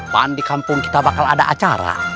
pan di kampung kita bakal ada acara